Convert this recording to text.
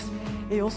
予想